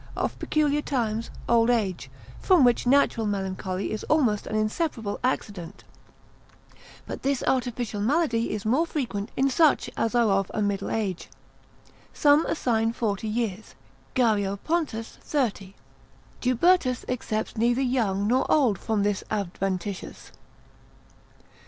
Of peculiar times: old age, from which natural melancholy is almost an inseparable accident; but this artificial malady is more frequent in such as are of a middle age. Some assign 40 years, Gariopontus 30. Jubertus excepts neither young nor old from this adventitious.